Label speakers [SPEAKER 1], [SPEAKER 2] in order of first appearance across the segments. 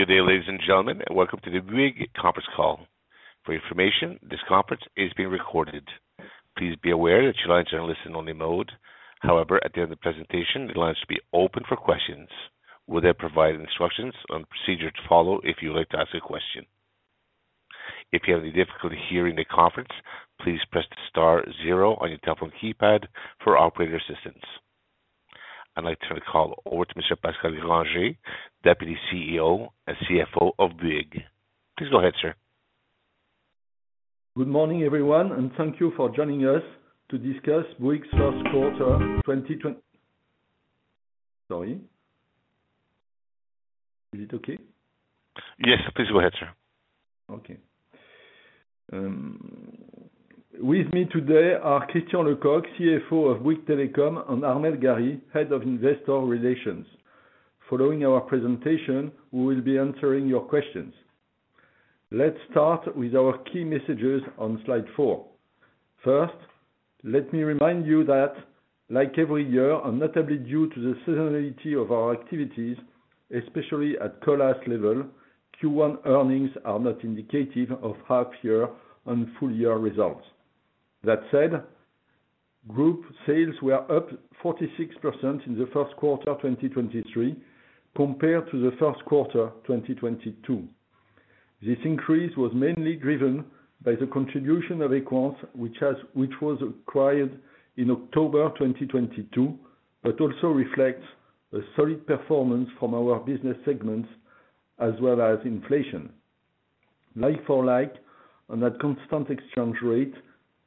[SPEAKER 1] Good day, ladies and gentlemen, and welcome to the Bouygues conference call. For your information, this conference is being recorded. Please be aware that your lines are in listen-only mode. However, at the end of the presentation, the lines will be open for questions. We'll then provide instructions on procedure to follow if you would like to ask a question. If you have any difficulty hearing the conference, please press the star zero on your telephone keypad for operator assistance. I'd like to turn the call over to Mr. Pascal Grangé, Deputy CEO and CFO of Bouygues. Please go ahead, sir.
[SPEAKER 2] Good morning, everyone, and thank you for joining us to discuss Bouygues' first quarter. Sorry. Is it okay?
[SPEAKER 1] Yes, please go ahead, sir.
[SPEAKER 2] Okay. With me today are Christian Lecoq, CFO of Bouygues Telecom, and Armelle Gary, Head of Investor Relations. Following our presentation, we will be answering your questions. Let's start with our key messages on slide 4. First, let me remind you that like every year, notably due to the seasonality of our activities, especially at Colas level, Q1 earnings are not indicative of half-year and full-year results. That said, group sales were up 46% in the first quarter of 2023 compared to the first quarter of 2022. This increase was mainly driven by the contribution of Equans, which was acquired in October 2022, also reflects a solid performance from our business segments as well as inflation. Like for like on a constant exchange rate,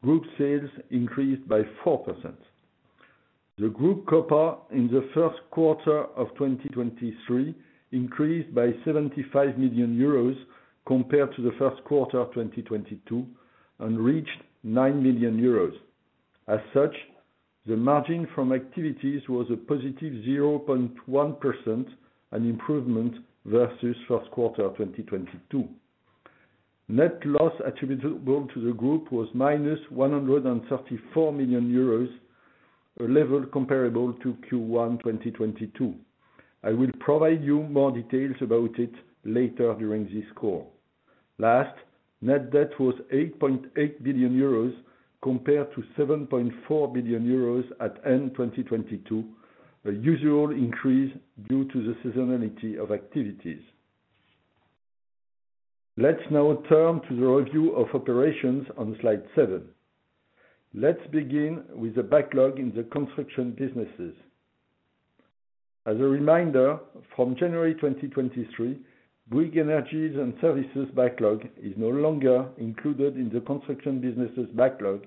[SPEAKER 2] group sales increased by 4%. The group COPA in the first quarter of 2023 increased by 75 million euros compared to the first quarter of 2022 and reached 9 million euros. As such, the margin from activities was a positive 0.1%, an improvement versus first quarter of 2022. Net loss attributable to the group was minus 134 million euros, a level comparable to Q1 2022. I will provide you more details about it later during this call. Last, net debt was 8.8 billion euros compared to 7.4 billion euros at end 2022, a usual increase due to the seasonality of activities. Let's now turn to the review of operations on slide 7. Let's begin with the backlog in the construction businesses. As a reminder, from January 2023, Bouygues Energies & Services backlog is no longer included in the construction businesses backlog,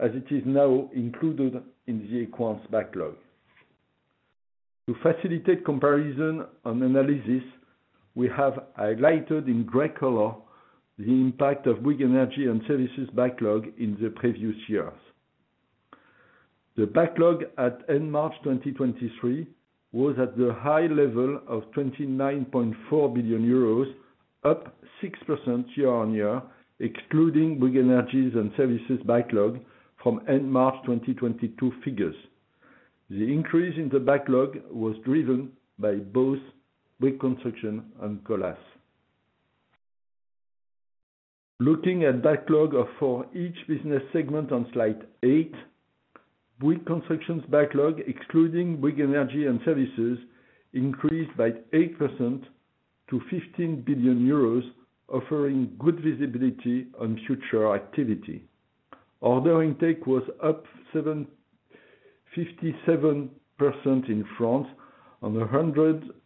[SPEAKER 2] as it is now included in the Equans backlog. To facilitate comparison and analysis, we have highlighted in gray color the impact of Bouygues Energies & Services backlog in the previous years. The backlog at end March 2023 was at the high level of 29.4 billion euros, up 6% year-on-year, excluding Bouygues Energies & Services backlog from end March 2022 figures. The increase in the backlog was driven by both Bouygues Construction and Colas. Looking at backlog of for each business segment on slide 8, Bouygues Construction's backlog, excluding Bouygues Energies & Services, increased by 8% to 15 billion euros, offering good visibility on future activity. Order intake was up 57% in France and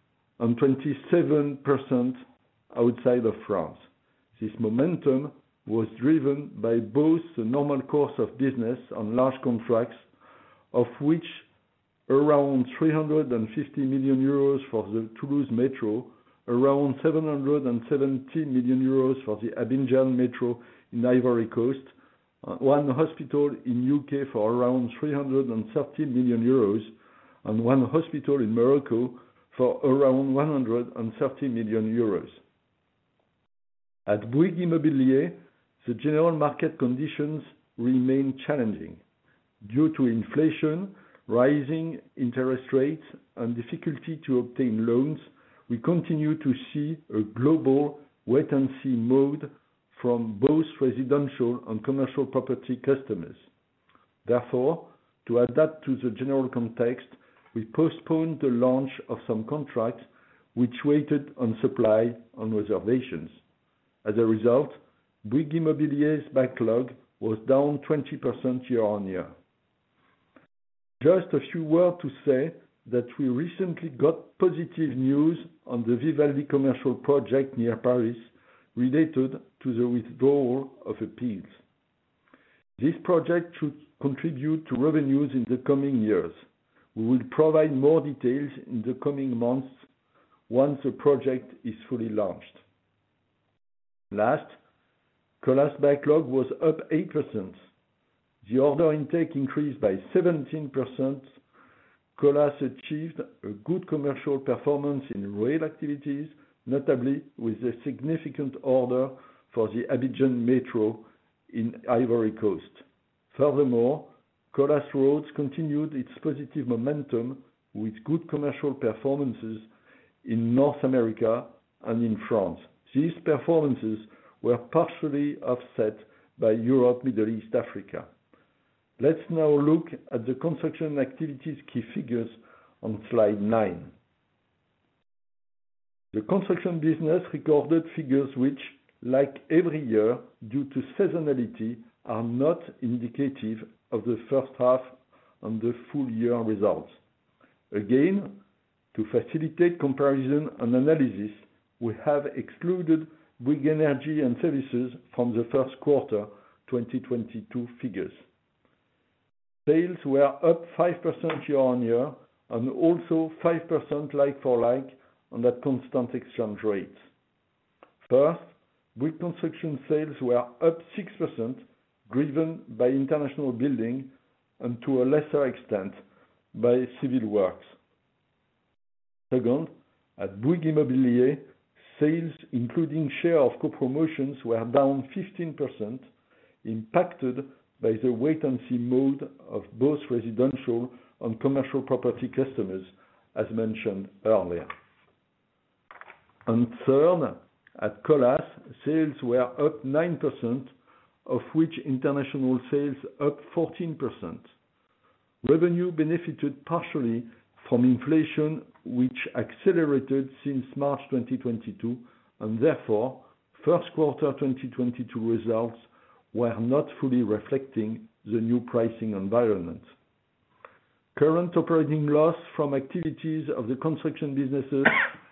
[SPEAKER 2] 127% outside of France. This momentum was driven by both the normal course of business on large contracts, of which around 350 million euros for the Toulouse Metro, around 770 million euros for the Abidjan Metro in Ivory Coast, one hospital in U.K. for around 330 million euros, and one hospital in Morocco for around 130 million euros. At Bouygues Immobilier, the general market conditions remain challenging. Due to inflation, rising interest rates, and difficulty to obtain loans, we continue to see a global wait-and-see mode from both residential and commercial property customers. To adapt to the general context, we postponed the launch of some contracts which waited on supply and reservations. As a result, Bouygues Immobilier's backlog was down 20% year-on-year. Just a few words to say that we recently got positive news on the Vivaldi commercial project near Paris related to the withdrawal of appeals. This project should contribute to revenues in the coming years. We will provide more details in the coming months once the project is fully launched. Colas backlog was up 8%. The order intake increased by 17%. Colas achieved a good commercial performance in rail activities, notably with a significant order for the Abidjan Metro in Ivory Coast. Colas Roads continued its positive momentum with good commercial performances in North America and in France. These performances were partially offset by Europe, Middle East, Africa. Let's now look at the construction activities key figures on slide 9. The construction business recorded figures which, like every year, due to seasonality, are not indicative of the first half and the full year results. Again, to facilitate comparison and analysis, we have excluded Bouygues Energies & Services from the first quarter 2022 figures. Sales were up 5% year-on-year and also 5% like-for-like on that constant exchange rate. First, Bouygues Construction sales were up 6%, driven by international building and to a lesser extent, by civil works. Second, at Bouygues Immobilier, sales including share of co-promotions were down 15% impacted by the wait-and-see mode of both residential and commercial property customers, as mentioned earlier. Third, at Colas, sales were up 9%, of which international sales up 14%. Revenue benefited partially from inflation, which accelerated since March 2022. Therefore, first quarter 2022 results were not fully reflecting the new pricing environment. Current operating loss from activities of the construction businesses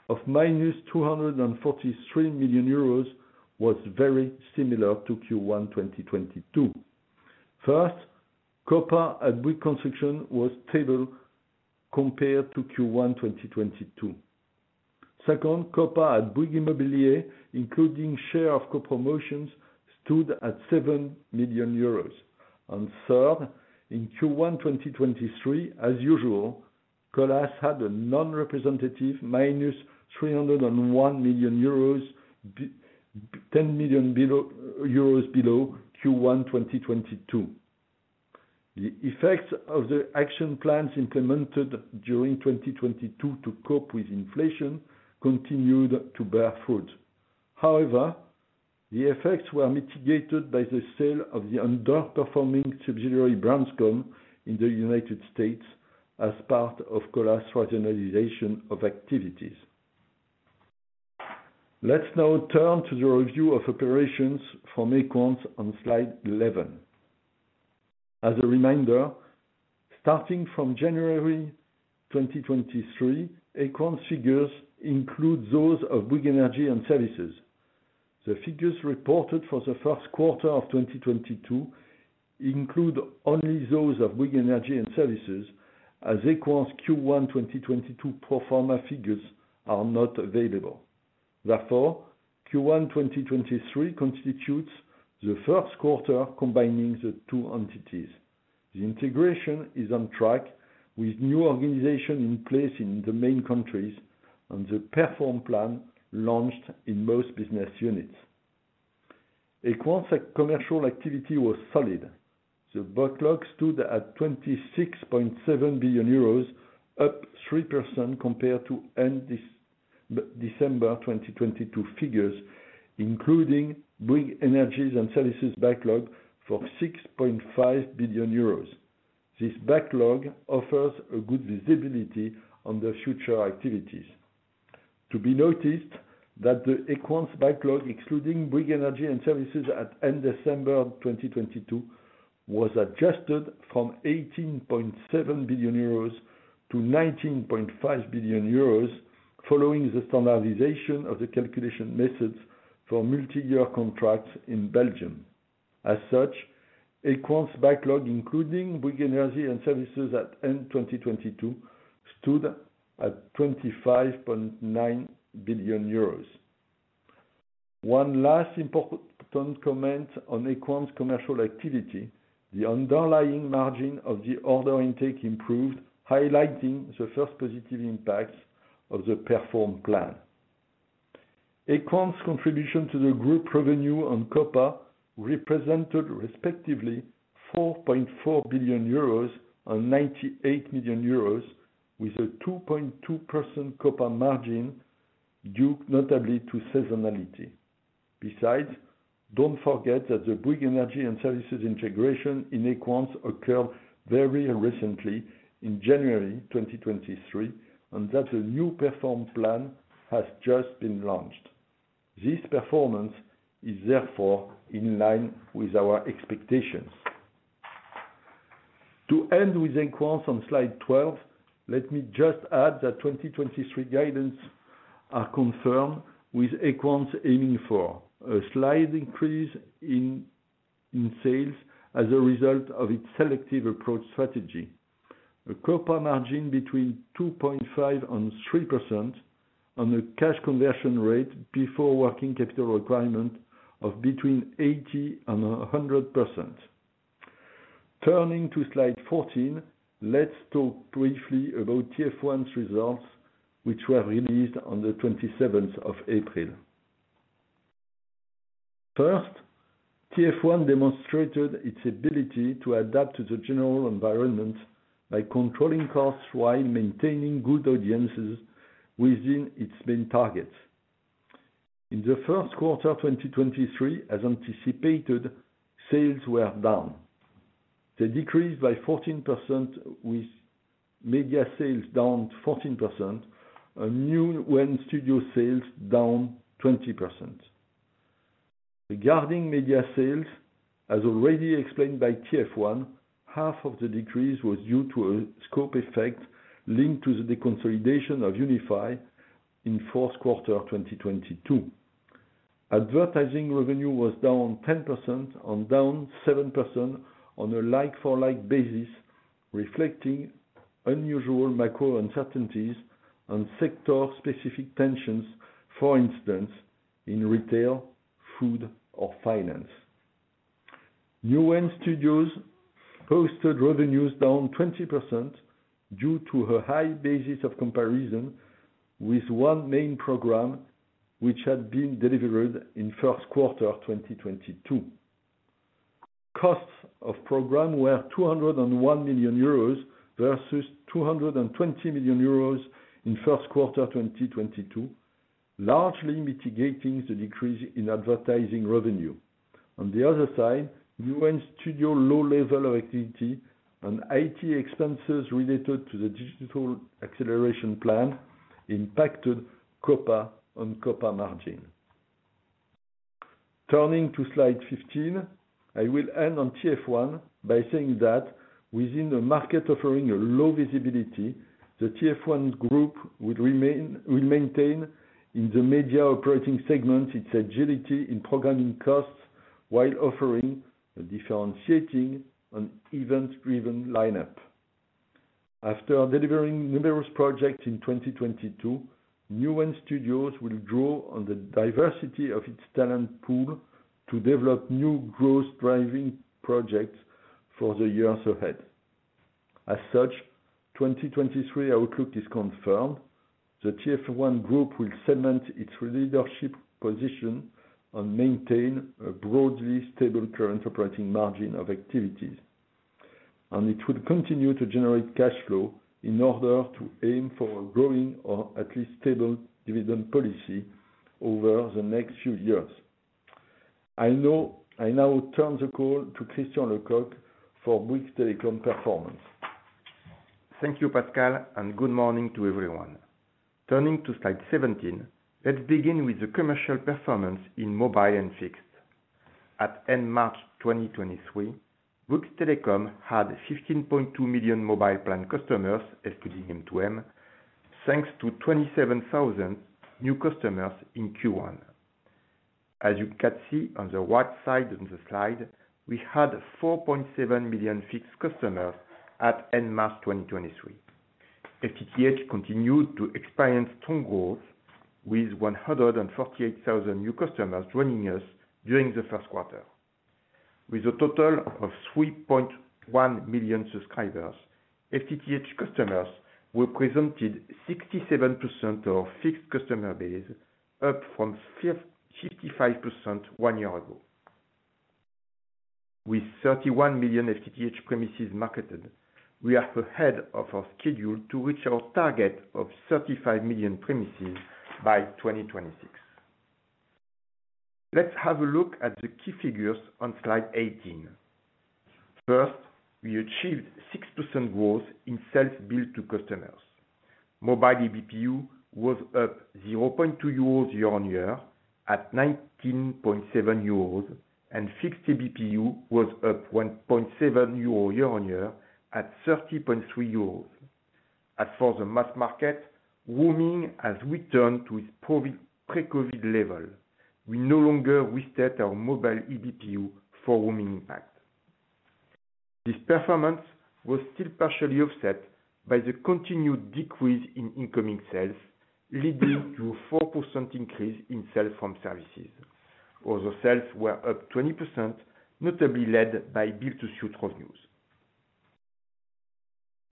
[SPEAKER 2] of minus 243 million euros was very similar to Q1 2022. First, COPA at Bouygues Construction was stable compared to Q1 2022. Second, COPA at Bouygues Immobilier, including share of co-promotions, stood at 7 million euros. Third, in Q1 2023, as usual, Colas had a non-representative minus 301 million euros 10 million below, euros below Q1 2022. The effects of the action plans implemented during 2022 to cope with inflation continued to bear fruit. However, the effects were mitigated by the sale of the underperforming subsidiary, Branscome, in the United States as part of Colas rationalization of activities. Let's now turn to the review of operations from Equans on slide 11. As a reminder, starting from January 2023, Equans figures include those of Bouygues Energies & Services. The figures reported for the first quarter of 2022 include only those of Bouygues Energies & Services as Equans Q1 2022 pro forma figures are not available. Therefore, Q1 2023 constitutes the first quarter combining the two entities. The integration is on track with new organization in place in the main countries and the Perform plan launched in most business units. Equans commercial activity was solid. The backlog stood at 26.7 billion euros, up 3% compared to end December 2022 figures, including Bouygues Energies & Services backlog for 6.5 billion euros. This backlog offers a good visibility on the future activities. To be noticed that the Equans backlog, excluding Bouygues Energies & Services at end December 2022, was adjusted from 18.7 billion euros to 19.5 billion euros following the standardization of the calculation methods for multi-year contracts in Belgium. Equans backlog, including Bouygues Energies & Services at end 2022, stood at 25.9 billion euros. One last important comment on Equans commercial activity, the underlying margin of the order intake improved, highlighting the first positive impacts of the Perform plan. Equans contribution to the group revenue on COPA represented respectively 4.4 billion euros and 98 million euros, with a 2.2% COPA margin, due notably to seasonality. Don't forget that the Bouygues Energies & Services integration in Equans occurred very recently in January 2023, and that a new Perform plan has just been launched. This performance is therefore in line with our expectations. To end with Equans on slide 12, let me just add that 2023 guidance are confirmed, with Equans aiming for a slight increase in sales as a result of its selective approach strategy. A COPA margin between 2.5% and 3% on a cash conversion rate before working capital requirement of between 80% and 100%. Turning to slide 14, let's talk briefly about TF1's results, which were released on the 27th of April. TF1 demonstrated its ability to adapt to the general environment by controlling costs while maintaining good audiences within its main targets. In the 1st quarter 2023, as anticipated, sales were down. They decreased by 14% with media sales down 14% and Studio TF1 sales down 20%. Regarding media sales, as already explained by TF1, half of the decrease was due to a scope effect linked to the deconsolidation of Unify in fourth quarter 2022. Advertising revenue was down 10% and down 7% on a like-for-like basis, reflecting unusual macro uncertainties and sector-specific tensions, for instance, in retail, food or finance. Newen Studios posted revenues down 20% due to a high basis of comparison with one main program which had been delivered in first quarter 2022. Costs of program were 201 million euros versus 220 million euros in first quarter 2022, largely mitigating the decrease in advertising revenue. Studio TF1 low level of activity and IT expenses related to the digital acceleration plan impacted COPA and COPA margin. Turning to slide 15, I will end on TF1 by saying that within a market offering a low visibility, the TF1 Group will maintain in the media operating segment its agility in programming costs while offering a differentiating and event-driven lineup. After delivering numerous projects in 2022, Newen Studios will draw on the diversity of its talent pool to develop new growth-driving projects for the years ahead. 2023 outlook is confirmed. The TF1 Group will segment its leadership position and maintain a broadly stable current operating margin of activities. It will continue to generate cash flow in order to aim for a growing or at least stable dividend policy over the next few years. I now turn the call to Christian Lecoq for Bouygues Telecom performance.
[SPEAKER 3] Thank you, Pascal. Good morning to everyone. Turning to slide 17, let's begin with the commercial performance in mobile and fixed. At end March 2023, Bouygues Telecom had 15.2 million mobile plan customers excluding M2M, thanks to 27,000 new customers in Q1. As you can see on the right side of the slide, we had 4.7 million fixed customers at end March 2023. FTTH continued to experience strong growth with 148,000 new customers joining us during the first quarter. With a total of 3.1 million subscribers, FTTH customers represented 67% of fixed customer base, up from 55% one year ago. With 31 million FTTH premises marketed, we are ahead of our schedule to reach our target of 35 million premises by 2026. Let's have a look at the key figures on slide 18. First, we achieved 6% growth in sales billed to customers. Mobile ABPU was up 0.2 euros year-on-year at 19.7 euros, and fixed ABPU was up 1.7 euros year-on-year at 30.3 euros. As for the mass market, roaming has returned to its pre-COVID level. We no longer restate our mobile ABPU for roaming impact. This performance was still partially offset by the continued decrease in incoming sales, leading to 4% increase in sales from services. Other sales were up 20%, notably led by build-to-suit revenues.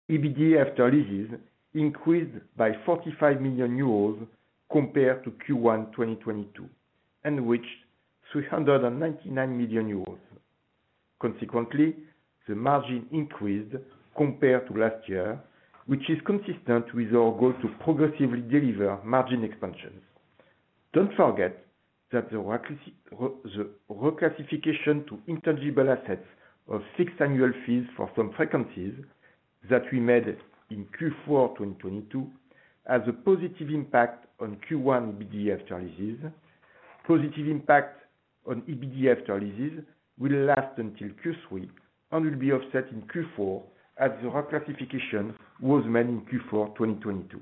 [SPEAKER 3] EBITDA after Leases increased by 45 million euros compared to Q1 2022, and reached 399 million euros. The margin increased compared to last year, which is consistent with our goal to progressively deliver margin expansions. Don't forget that the reclassification to intangible assets of fixed annual fees for some frequencies that we made in Q4 2022 has a positive impact on Q1 EBITDA after Leases. Positive impact on EBITDA after Leases will last until Q3 and will be offset in Q4 as the reclassification was made in Q4 2022.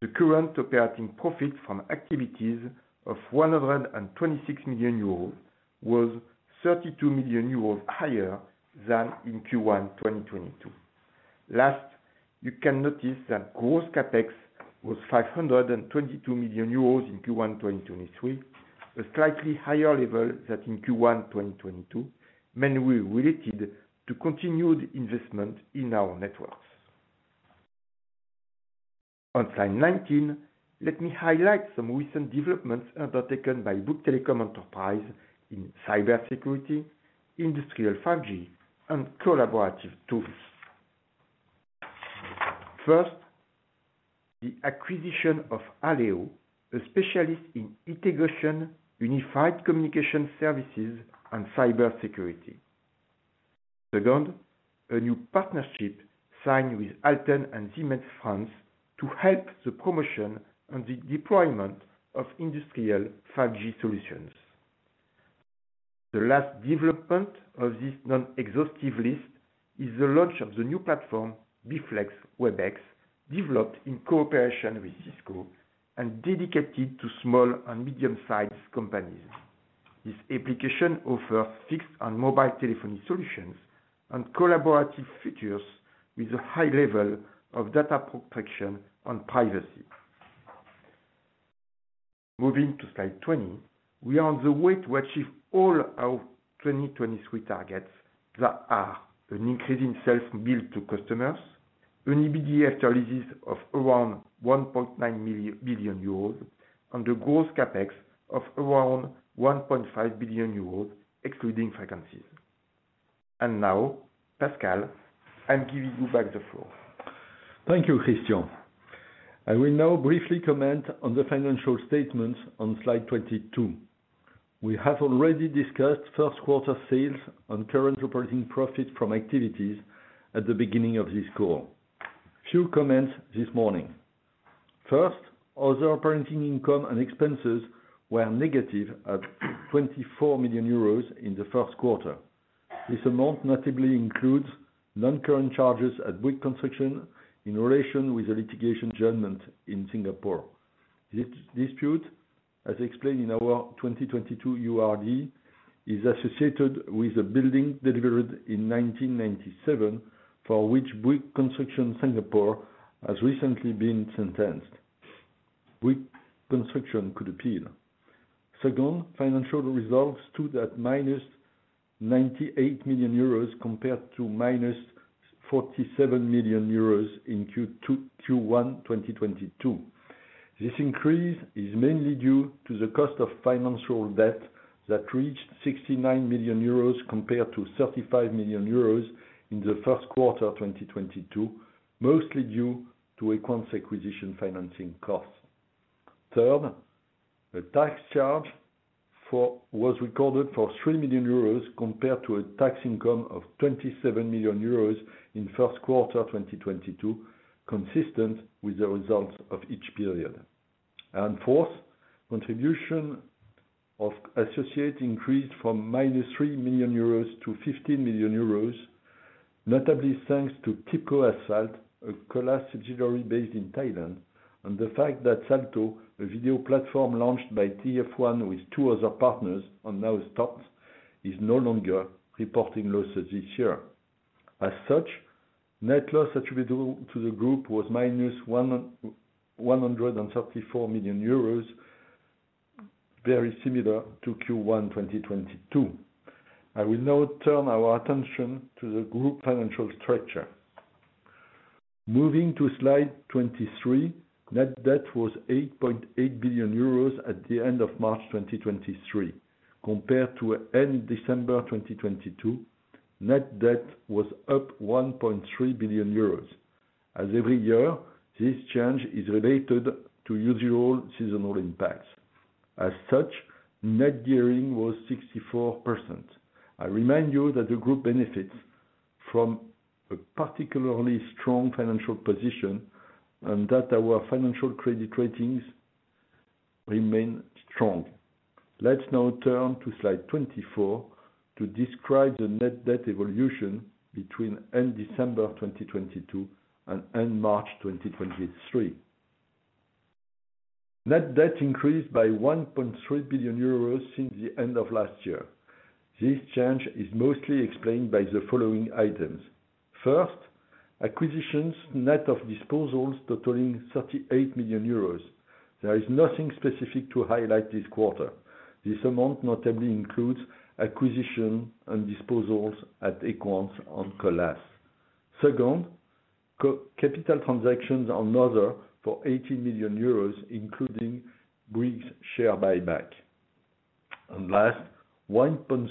[SPEAKER 3] The current operating profit from activities of 126 million euros was 32 million euros higher than in Q1 2022. You can notice that gross CapEx was 522 million euros in Q1 2023, a slightly higher level than in Q1 2022, mainly related to continued investment in our networks. On slide 19, let me highlight some recent developments undertaken by Bouygues Telecom Entreprises in cybersecurity, industrial 5G, and collaborative tools. First, the acquisition of [Aleo], a specialist in integration, unified communication services, and cybersecurity. Second, a new partnership signed with Alten and Siemens France to help the promotion and the deployment of industrial 5G solutions. The last development of this non-exhaustive list is the launch of the new platform, B.flex with Webex, developed in cooperation with Cisco and dedicated to small and medium-sized companies. This application offers fixed and mobile telephony solutions and collaborative features with a high level of data protection and privacy. Moving to slide 20, we are on the way to achieve all our 2023 targets that are an increase in sales billed to customers, an EBITDA after Leases of around 1.9 billion euros, and a gross CapEx of around 1.5 billion euros excluding frequencies. Now, Pascal, I'm giving you back the floor.
[SPEAKER 2] Thank you, Christian. I will now briefly comment on the financial statements on slide 22. We have already discussed first quarter sales and current operating profits from activities at the beginning of this call. Few comments this morning. First, other operating income and expenses were negative at 24 million euros in the first quarter. This amount notably includes non-current charges at Bouygues Construction in relation with the litigation judgment in Singapore. This dispute, as explained in our 2022 URD, is associated with a building delivered in 1997, for which Bouygues Construction Singapore has recently been sentenced. Bouygues Construction could appeal. Second, financial results stood at minus 98 million euros compared to minus 47 million euros in Q1 2022. This increase is mainly due to the cost of financial debt that reached 69 million euros compared to 35 million euros in Q1 2022, mostly due to Equans acquisition financing costs. Third, a tax charge was recorded for 3 million euros compared to a tax income of 27 million euros in Q1 2022, consistent with the results of each period. Fourth, contribution of associates increased from -3 million euros to 15 million euros, notably thanks to Tipco Asphalt, a Colas subsidiary based in Thailand, and the fact that Salto, a video platform launched by TF1 with two other partners and now stops, is no longer reporting losses this year. As such, net loss attributable to the group was -134 million euros, very similar to Q1 2022. I will now turn our attention to the group financial structure. Moving to slide 23, net debt was 88 billion euros at the end of March 2023. Compared to end December 2022, net debt was up 1.3 billion euros. As every year, this change is related to usual seasonal impacts. As such, net gearing was 64%. I remind you that the group benefits from a particularly strong financial position and that our financial credit ratings remain strong. Let's now turn to slide 24 to describe the net debt evolution between end December 2022 and end March 2023. Net debt increased by 1.3 billion euros since the end of last year. This change is mostly explained by the following items. First, acquisitions net of disposals totaling 38 million euros. There is nothing specific to highlight this quarter. This amount notably includes acquisition and disposals at Equans and Colas. co-capital transactions and other for 80 million euros, including Bouygues share buyback. Last, 1.3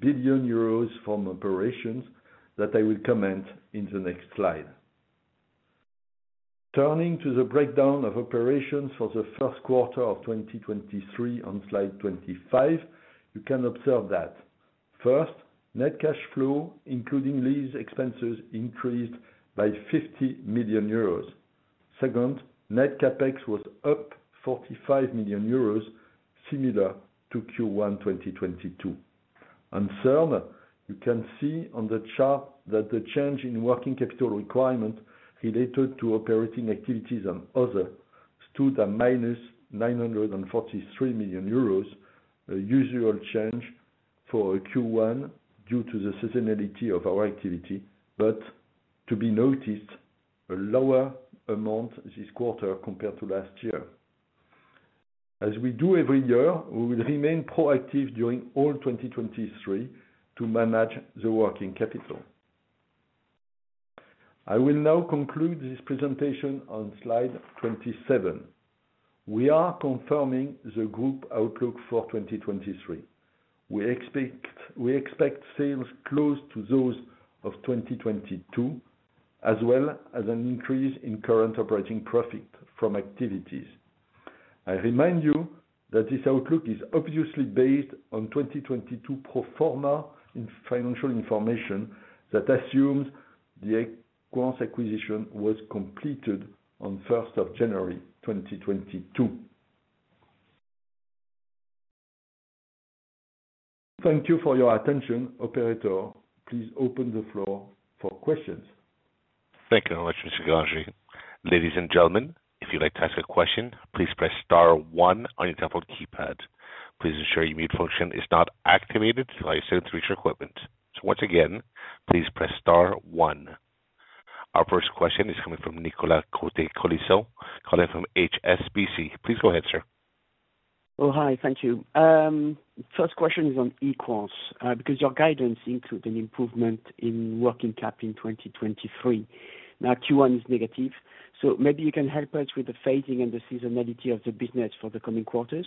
[SPEAKER 2] billion euros from operations that I will comment in the next slide. Turning to the breakdown of operations for the first quarter of 2023 on slide 25, you can observe that net cash flow, including lease expenses, increased by 50 million euros. Net CapEx was up 45 million euros similar to Q1 2022. Third, you can see on the chart that the change in working capital requirement related to operating activities and other stood at minus 943 million euros, a usual change for a Q1 due to the seasonality of our activity, but to be noticed, a lower amount this quarter compared to last year. As we do every year, we will remain proactive during all 2023 to manage the working capital. I will now conclude this presentation on slide 27. We are confirming the group outlook for 2023. We expect sales close to those of 2022, as well as an increase in current operating profit from activities. I remind you that this outlook is obviously based on 2022 pro forma in financial information that assumes the Equans acquisition was completed on first of January 2022. Thank you for your attention. Operator, please open the floor for questions.
[SPEAKER 1] Thank you very much, Mr. Grangé. Ladies and gentlemen, if you'd like to ask a question, please press star one on your telephone keypad. Please ensure your mute function is not activated until you're set to reach equipment. Once again, please press star one. Our first question is coming from Nicolas Cote-Colisson calling from HSBC. Please go ahead, sir.
[SPEAKER 4] Hi. Thank you. First question is on Equans, because your guidance includes an improvement in working cap in 2023. Q1 is negative, maybe you can help us with the phasing and the seasonality of the business for the coming quarters.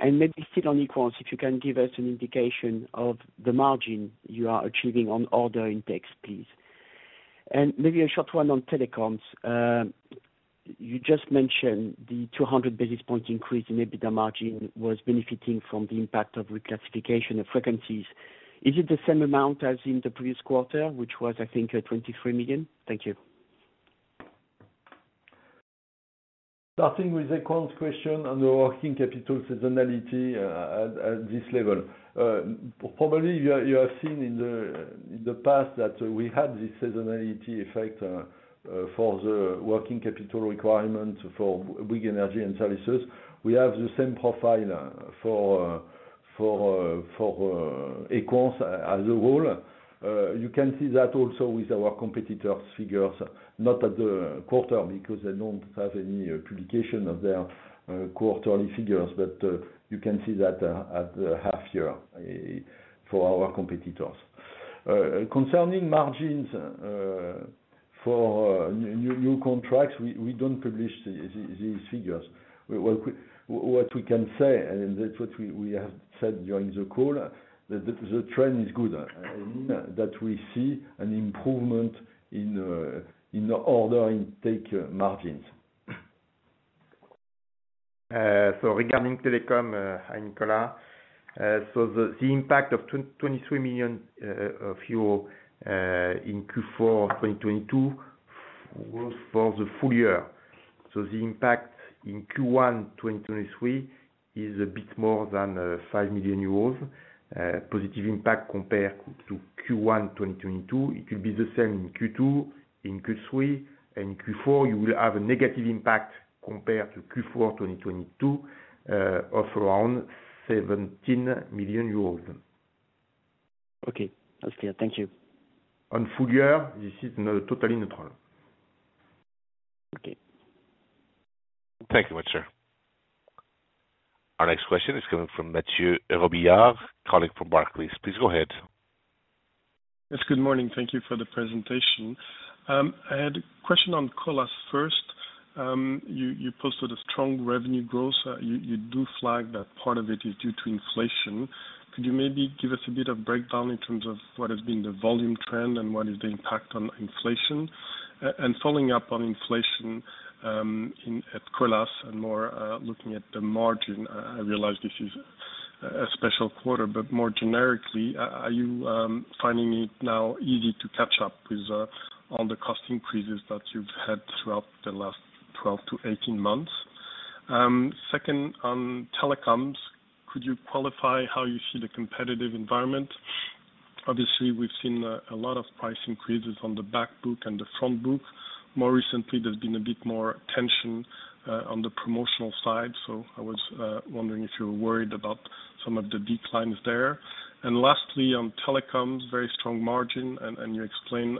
[SPEAKER 4] Maybe still on Equans, if you can give us an indication of the margin you are achieving on order index, please. Maybe a short one on Telecoms. You just mentioned the 200 basis point increase in EBITDA margin was benefiting from the impact of reclassification of frequencies. Is it the same amount as in the previous quarter, which was, I think, 23 million? Thank you.
[SPEAKER 2] Starting with the Equans question on the working capital seasonality at this level. Probably you have seen in the past that we had this seasonality effect for the working capital requirement for Bouygues Energies & Services. We have the same profile for Equans as a whole. You can see that also with our competitors' figures, not at the quarter because they don't have any publication of their quarterly figures. You can see that at the half year for our competitors. Concerning margins, for new contracts, we don't publish these figures. What we can say, and that's what we have said during the call, the trend is good, and that we see an improvement in order in take margins.
[SPEAKER 3] Regarding Telecom, hi Nicolas. The impact of 23 million euro in Q4 2022 was for the full year. The impact in Q1 2023 is a bit more than 5 million euros positive impact compared to Q1 2022. It will be the same in Q2, in Q3, and in Q4, you will have a negative impact compared to Q4 2022 of around 17 million euros.
[SPEAKER 4] Okay, that's clear. Thank you.
[SPEAKER 3] On full year, this is no totally neutral.
[SPEAKER 4] Okay.
[SPEAKER 1] Thank you much, sir. Our next question is coming from Mathieu Robilliard, calling from Barclays. Please go ahead.
[SPEAKER 5] Yes, good morning. Thank you for the presentation. I had a question on Colas first. You posted a strong revenue growth. You do flag that part of it is due to inflation. Could you maybe give us a bit of breakdown in terms of what has been the volume trend and what is the impact on inflation? Following up on inflation, at Colas and more, looking at the margin, I realize this is a special quarter, but more generically, are you finding it now easy to catch up with on the cost increases that you've had throughout the last 12 to 18 months? Second, on telecoms, could you qualify how you see the competitive environment? Obviously, we've seen a lot of price increases on the back book and the front book. More recently, there's been a bit more tension on the promotional side. I was wondering if you were worried about some of the declines there. Lastly, on telecoms, very strong margin, and you explained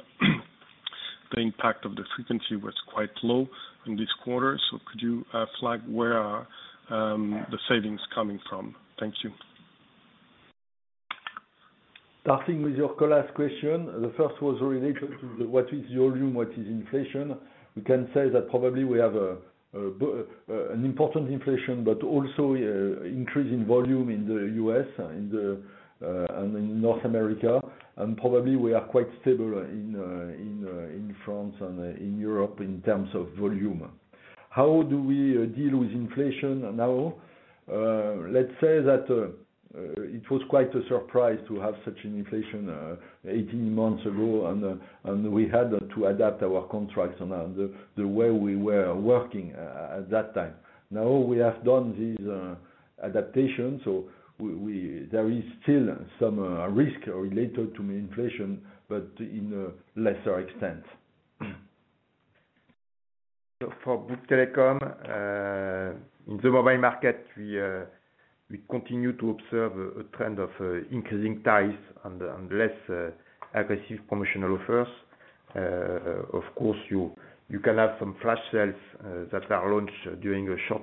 [SPEAKER 5] the impact of the frequency was quite low in this quarter. Could you flag where are the savings coming from? Thank you.
[SPEAKER 2] Starting with your Colas question, the first was related to what is volume, what is inflation. We can say that probably we have an important inflation, but also increasing volume in the U.S. and in North America. Probably we are quite stable in France and in Europe in terms of volume. How do we deal with inflation now? Let's say that it was quite a surprise to have such an inflation 18 months ago. We had to adapt our contracts and the way we were working at that time. Now we have done these adaptations, so we there is still some risk related to inflation, but in a lesser extent.
[SPEAKER 3] For group Telecom, in the mobile market, we continue to observe a trend of increasing ties and less aggressive promotional offers. Of course, you can have some flash sales that are launched during a short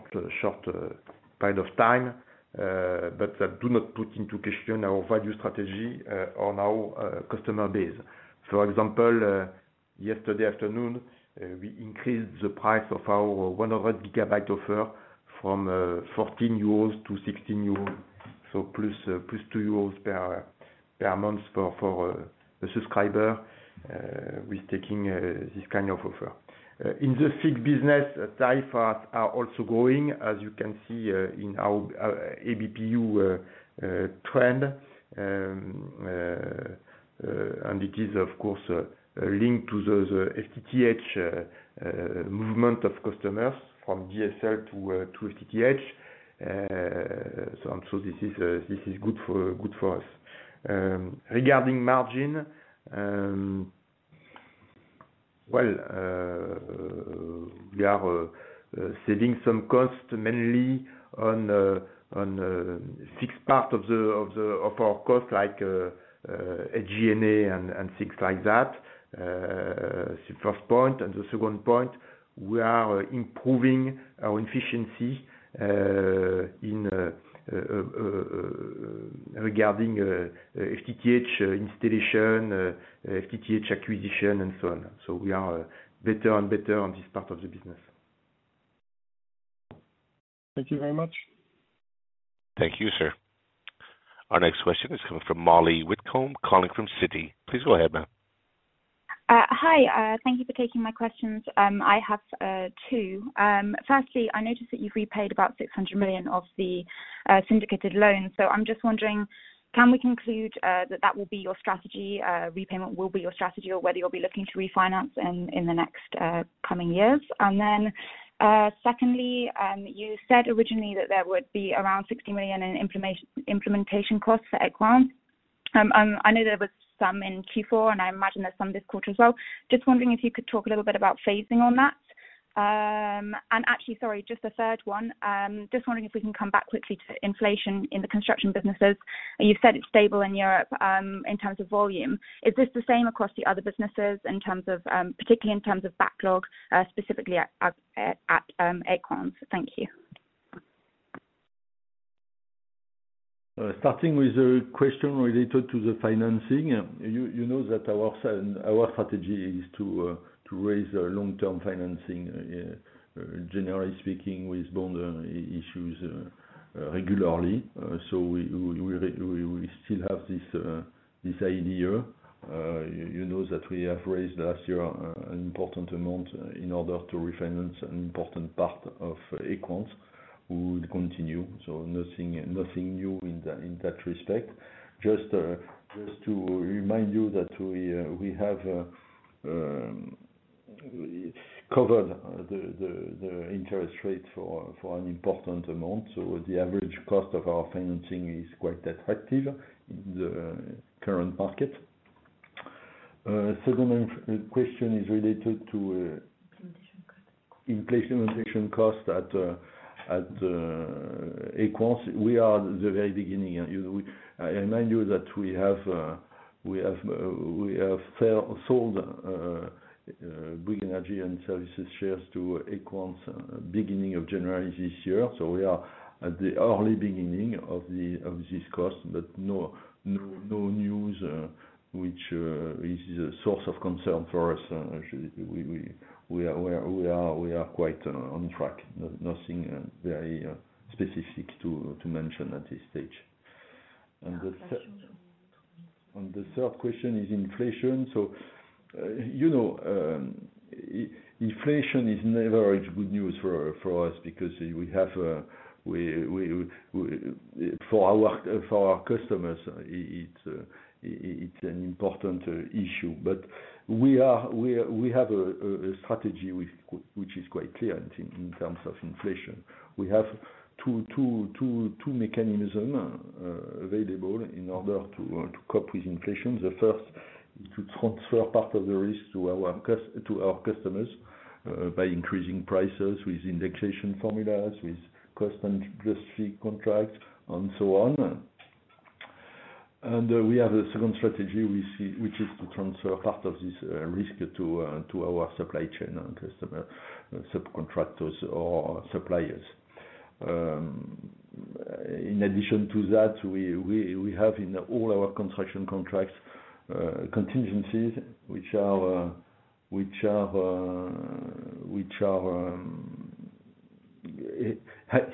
[SPEAKER 3] period of time. That do not put into question our value strategy on our customer base. For example, yesterday afternoon, we increased the price of our 100 gigabyte offer from 14 euros to 16 euros. Plus 2 euros per month for the subscriber who is taking this kind of offer. In the fixed business, data are also growing, as you can see in our ABPU trend. It is of course linked to the FTTH movement of customers from DSL to FTTH. This is good for us. Regarding margin, well, we are saving some costs mainly on fixed part of our costs like G&A and things like that. The first point, the second point, we are improving our efficiency regarding FTTH installation, FTTH acquisition, and so on. We are better and better on this part of the business.
[SPEAKER 5] Thank you very much.
[SPEAKER 1] Thank you, sir. Our next question is coming from Mollie Witcombe, calling from Citi. Please go ahead, ma'am.
[SPEAKER 6] Hi. Thank you for taking my questions. I have two. Firstly, I noticed that you've repaid about 600 million of the syndicated loan. I'm just wondering, can we conclude that that will be your strategy, repayment will be your strategy, or whether you'll be looking to refinance in the next coming years? Secondly, you said originally that there would be around 60 million in implementation costs for Equans. I know there was some in Q4, and I imagine there's some this quarter as well. Just wondering if you could talk a little bit about phasing on that. Actually, sorry, just a third one. Just wondering if we can come back quickly to inflation in the construction businesses, and you said it's stable in Europe, in terms of volume. Is this the same across the other businesses in terms of, particularly in terms of backlog, specifically at Equans? Thank you.
[SPEAKER 2] Starting with the question related to the financing. You know that our strategy is to raise the long-term financing, generally speaking, with bond issues, regularly. We still have this idea. You know that we have raised last year, an important amount in order to refinance an important part of Equans. We would continue, so nothing new in that respect. Just to remind you that we have covered the interest rate for an important amount, so the average cost of our financing is quite attractive in the current market. Second question is related to?
[SPEAKER 6] Implementation costs
[SPEAKER 2] Implementation costs at Equans. We are the very beginning. I remind you that we have sold Bouygues Energies & Services shares to Equans beginning of January this year. We are at the early beginning of this cost, but no news which is a source of concern for us. Actually, we are quite on track. Nothing very specific to mention at this stage. The third question is inflation. You know, inflation is never good news for us because we, for our customers, it's an important issue. We have a strategy which is quite clear in terms of inflation. We have two mechanism available in order to cope with inflation. The first is to transfer part of the risk to our customers by increasing prices with indexation formulas, with cost industry contracts, and so on. We have a second strategy which is to transfer part of this risk to our supply chain and customer, subcontractors or suppliers. In addition to that, we have in all our construction contracts contingencies which are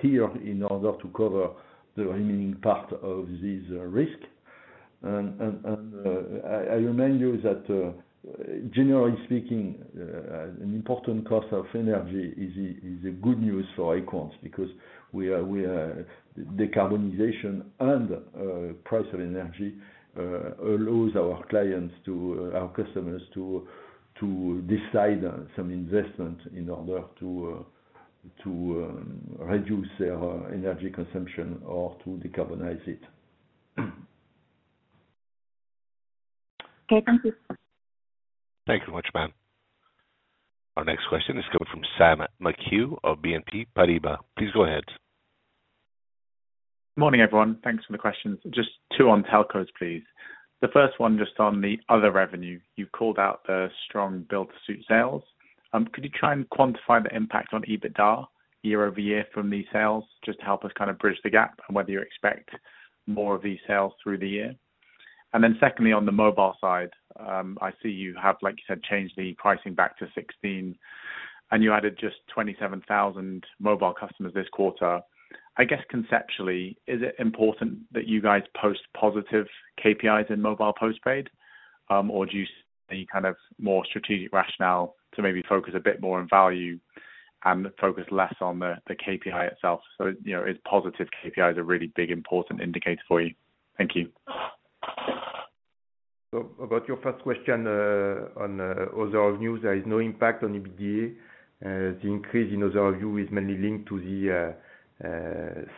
[SPEAKER 2] here in order to cover the remaining part of this risk. I remind you that, generally speaking, an important cost of energy is a good news for Equans because we are decarbonization and price of energy allows our clients to, our customers to decide on some investment in order to reduce their energy consumption or to decarbonize it.
[SPEAKER 6] Okay. Thank you.
[SPEAKER 1] Thank you much, ma'am. Our next question is coming from Samuel McHugh of BNP Paribas. Please go ahead.
[SPEAKER 7] Good morning, everyone. Thanks for the questions. Just two on telcos, please. The first one just on the other revenue. You called out the strong build-to-suit sales. Could you try and quantify the impact on EBITDA year-over-year from these sales, just to help us kinda bridge the gap on whether you expect more of these sales through the year? Secondly, on the mobile side, I see you have, like you said, changed the pricing back to 16, and you added just 27,000 mobile customers this quarter. I guess conceptually, is it important that you guys post positive KPIs in mobile post-paid? Or do you see any kind of more strategic rationale to maybe focus a bit more on value and focus less on the KPI itself, so, you know, is positive KPI is a really big important indicator for you? Thank you.
[SPEAKER 2] About your first question, on other revenues, there is no impact on EBITDA. The increase in other revenue is mainly linked to the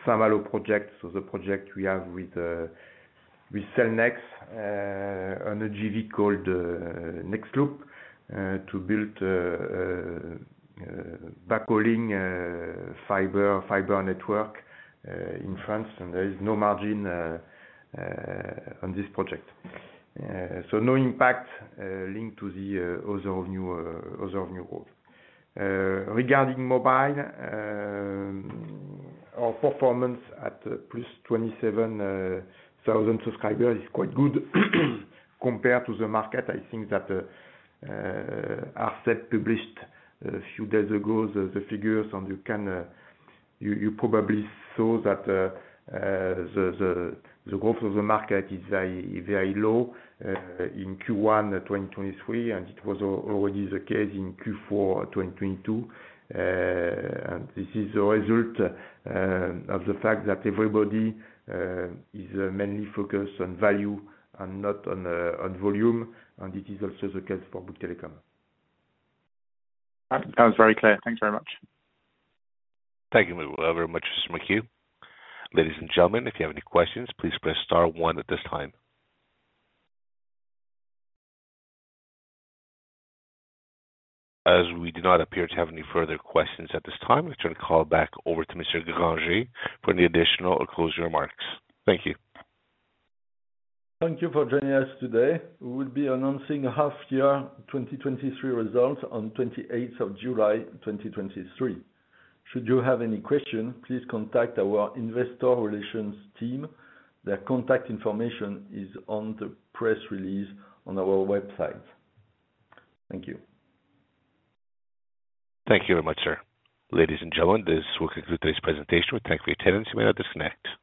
[SPEAKER 2] Saint-Malo project. The project we have with Cellnex, on a JV called Nexloop, to build backhauling fiber network in France. There is no margin on this project. No impact linked to the other revenue growth. Regarding mobile, our performance at +27,000 subscribers is quite good compared to the market. I think that ARCEP published a few days ago the figures, and you can probably saw that the growth of the market is very, very low in Q1 2023, and it was already the case in Q4 2022. This is a result of the fact that everybody is mainly focused on value and not on volume. It is also the case for Bouygues Telecom.
[SPEAKER 7] That was very clear. Thank you very much.
[SPEAKER 1] Thank you very much, Mr. McHugh. Ladies and gentlemen, if you have any questions, please press star one at this time. As we do not appear to have any further questions at this time, let's turn the call back over to Mr. Grangé for any additional or closing remarks. Thank you.
[SPEAKER 2] Thank you for joining us today. We will be announcing half year 2023 results on 28th of July, 2023. Should you have any question, please contact our Investor Relations team. Their contact information is on the press release on our website. Thank you.
[SPEAKER 1] Thank you very much, sir. Ladies and gentlemen, this will conclude today's presentation. Thank you for your attendance. You may disconnect.